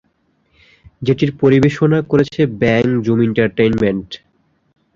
যেটির পরিবেশনা করেছে ব্যাং জুম এ্যান্টারটেইনমেন্ট।